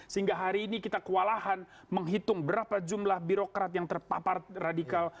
sehingga hari ini kita kewalahan menghitung berapa jumlah birokrat yang terpapar radikal